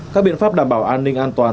các biện pháp đảm bảo an ninh an toàn